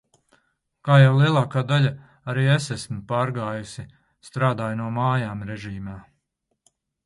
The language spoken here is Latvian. Kā jau lielākā daļa, arī es esmu pārgājusi "strādāju no mājām" režīmā.